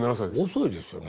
遅いですよね。